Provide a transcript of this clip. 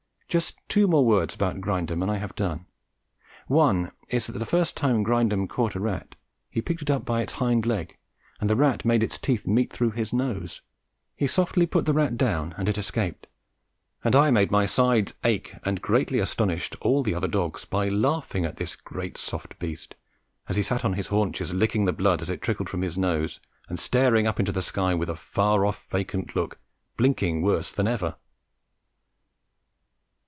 Just two words more about Grindum and I have done. One is that the first time Grindum caught a rat, he picked it up by its hind leg, and the rat made its teeth meet through his nose. He softly put the rat down and it escaped, and I made my sides ache and greatly astonished all the other dogs by laughing at this great soft beast as he sat on his haunches licking the blood as it trickled from his nose, and staring up into the sky with a far off vacant look, blinking worse than ever.